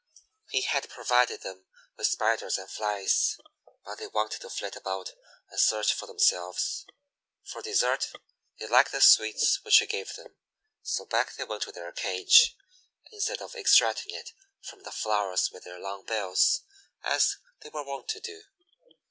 He had provided them with Spiders and Flies, but they wanted to flit about and search for themselves. For dessert they liked the sweets which he gave them, so back they went to their cage, instead of extracting it from the flowers with their long bills, as they were wont to do.